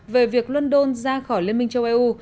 về việc london ra khỏi liên minh châu eu